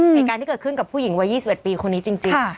ในการที่เกิดขึ้นกับผู้หญิงวัยยี่สิบเอ็ดปีคนนี้จริง